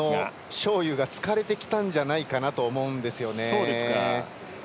章勇が疲れてきたんじゃないかなと思うんですよね。